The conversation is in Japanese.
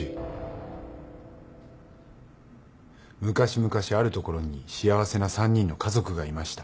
昔々あるところに幸せな三人の家族がいました。